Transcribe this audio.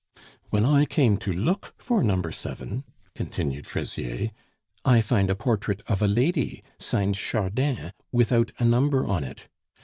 _" "When I come to look for No. 7," continued Fraisier, "I find a portrait of a lady, signed 'Chardin,' without a number on it!